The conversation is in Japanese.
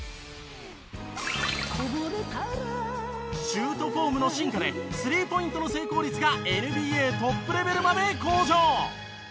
シュートフォームの進化で３ポイントの成功率がＮＢＡトップレベルまで向上。